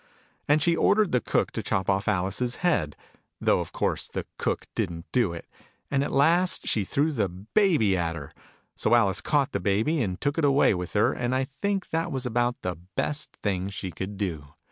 And she ordered the Cook to chop off Alice's head : though of course the Cook didn't do it : and at last she threw the Baby at her ! So Alice caught the Baby, and took it away with her : and I think that was about the best thing she could do.